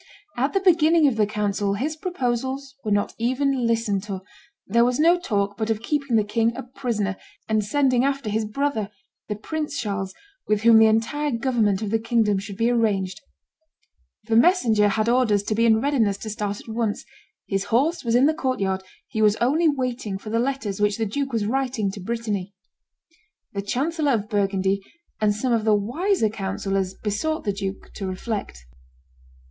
At the beginning of the council his proposals were not even listened to; there was no talk but of keeping the king a prisoner, and sending after his brother, the Prince Charles, with whom the entire government of the kingdom should be arranged; the messenger had orders to be in readiness to start at once; his horse was in the court yard; he was only waiting for the letters which the duke was writing to Brittany. The chancellor of Burgundy and some of the wiser councillors besought the duke to reflect.